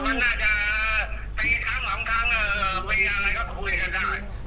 มันน่าจะปีชั้นหลังชั้นบริยายก็คุยกันได้